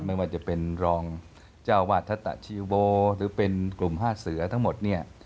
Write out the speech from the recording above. ไม่ว่าจะเป็นรองเจ้าวาดทัศตะชีโบหรือเป็นกลุ่มห้าเสือทั้งหมดเนี่ย